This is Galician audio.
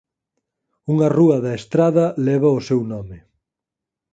Unha rúa da Estrada leva o seu nome.